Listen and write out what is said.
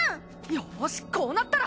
よしこうなったら！